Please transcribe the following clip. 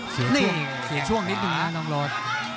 เสียช่วงนิดหนึ่งนะน้องโรด